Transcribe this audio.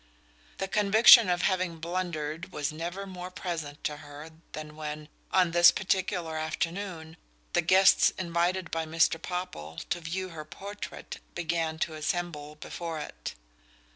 The conviction of having blundered was never more present to her than when, on this particular afternoon, the guests invited by Mr. Popple to view her portrait began to assemble before it.